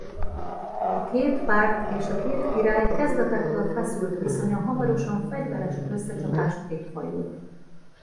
A két párt és a két király kezdetektől feszült viszonya hamarosan fegyveres összecsapásokig fajult.